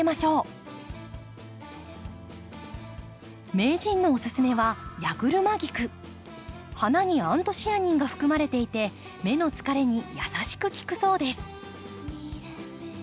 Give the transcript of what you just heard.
名人のおすすめは花にアントシアニンが含まれていて目の疲れに優しく効くそうです。